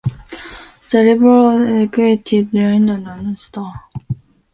The revival has required Imada to retrace Hiroshima’s sake history.